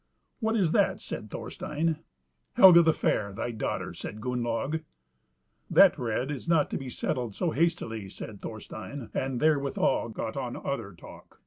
"What is that?" said Thorstein. "Helga the Fair, thy daughter," says Gunnlaug. "That rede is not to be settled so hastily," said Thorstein; and therewithal got on other talk.